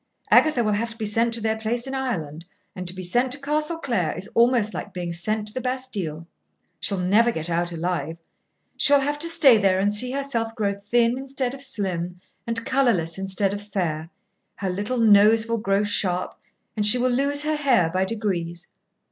Agatha will have to be sent to their place in Ireland, and to be sent to Castle Clare is almost like being sent to the Bastille. She'll never get out alive. She'll have to stay there and see herself grow thin instead of slim, and colourless instead of fair. Her little nose will grow sharp, and she will lose her hair by degrees."